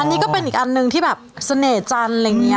อันนี้ก็เป็นอีกอันหนึ่งที่แบบเสน่ห์จันทร์แบบเนี้ย